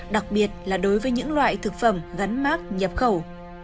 đặc biệt là đối với những loại thực phẩm gắn mát nhập khẩu